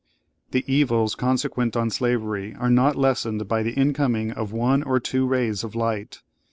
The evils consequent on slavery are not lessened by the incoming of one or two rays of light.